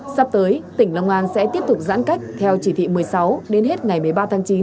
sắp tới tỉnh long an sẽ tiếp tục giãn cách theo chỉ thị một mươi sáu đến hết ngày một mươi ba tháng chín